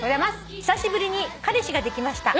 「久しぶりに彼氏ができました」